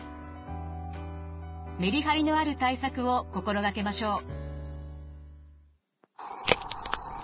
メリハリのある対策を心がけましょう。